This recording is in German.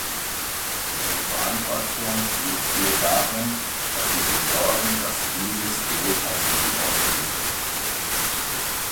Ihre Verantwortung liegt hier darin, dafür zu sorgen, dass dieses Geld tatsächlich ausgegeben wird.